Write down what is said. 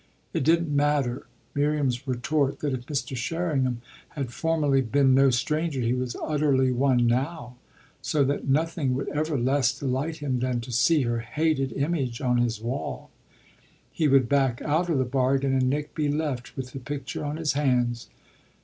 It didn't matter, Miriam's retort that if Mr. Sherringham had formerly been no stranger he was utterly one now, so that nothing would ever less delight him than to see her hated image on his wall. He would back out of the bargain and Nick be left with the picture on his hands.